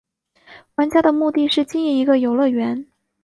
玩家的目的是经营一个游乐园。